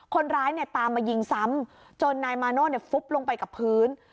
คนร้ายเนี่ยตามมายิงซ้ำจนนายมาโน่ฟุบลงไปกับพื้น